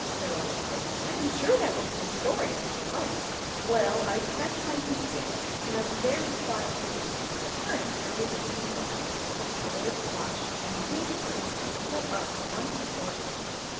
said all the plates; ' I am sure that will be a story I shall like !'"' Well, I passed my youth there, in a very quiet family; the furniture was bees waxed, the floors washed, and clean curtains were put up once a fortnight